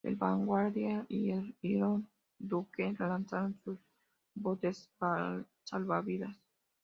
El "Vanguard" y el "Iron Duke" lanzaron sus botes salvavidas.